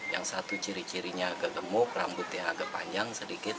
yang satu ciri cirinya agak gemuk rambutnya agak panjang sedikit